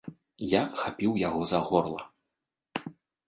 Я хапіў яго за горла.